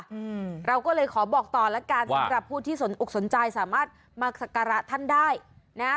อืมเราก็เลยขอบอกต่อแล้วกันสำหรับผู้ที่สนอกสนใจสามารถมาสักการะท่านได้นะฮะ